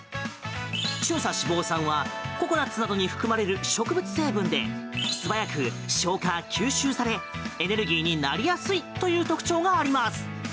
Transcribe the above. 中鎖脂肪酸はココナツなどに含まれる植物成分で素早く消化・吸収されエネルギーになりやすいという特徴があります。